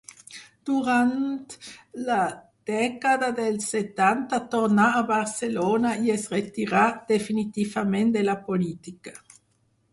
Durant la dècada dels setanta tornà a Barcelona i es retirà definitivament de la política.